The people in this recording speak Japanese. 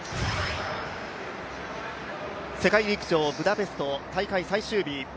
世界陸上ブダペスト、大会最終日。